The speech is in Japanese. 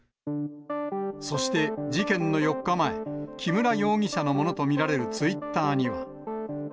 そして、事件の４日前、木村容疑者のものと見られるツイッターには。